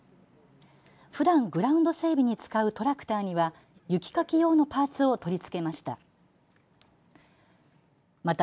ふだんグラウンド整備に使うトラクターには雪かき用のパーツを取り付けました。